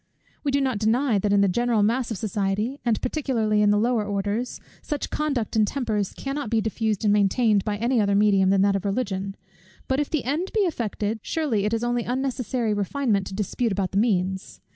We do not deny that in the general mass of society, and particularly in the lower orders, such conduct and tempers cannot be diffused and maintained by any other medium than that of Religion. But if the end be effected, surely it is only unnecessary refinement to dispute about the means.